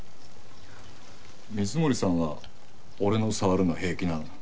水森さんは俺の触るの平気なの？